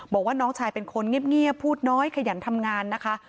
บอกว่าน้องชายเป็นคนเงียบพูดน้อยขยันทำงานนะคะ